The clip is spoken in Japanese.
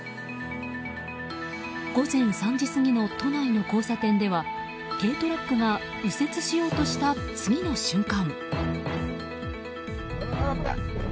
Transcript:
午前３時過ぎの都内の交差点では軽トラックが右折しようとした次の瞬間。